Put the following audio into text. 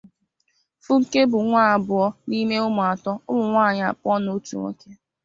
Funke bụ nwa abụọ n'ime ụmụ atọ (ụmụ nwanyị abụọ na otu nwoke).